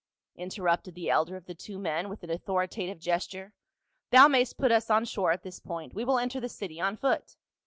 interrupted the elder of the two men with an authoritative gesture, " thou mayst put us on shore at this point ; we will enter the city on foot.